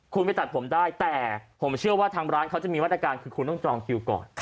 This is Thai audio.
คุณไปตัดผมได้แต่ผมเชื่อว่าทางร้านเขาจะมีมาตรการคือคุณต้องจองคิวก่อน